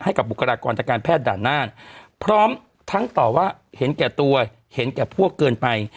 บุคลากรทางการแพทย์ด่านหน้าพร้อมทั้งตอบว่าเห็นแก่ตัวเห็นแก่พวกเกินไป